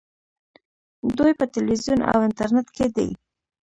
دوی په تلویزیون او انټرنیټ کې دي.